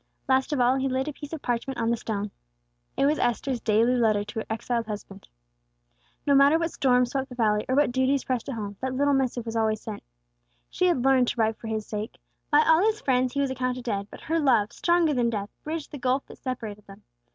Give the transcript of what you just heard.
Last of all, he laid a piece of parchment on the stone. It was Esther's daily letter to her exiled husband. No matter what storms swept the valley, or what duties pressed at home, that little missive was always sent. She had learned to write for his sake. By all his friends he was accounted dead; but her love, stronger than death, bridged the gulf that separated them.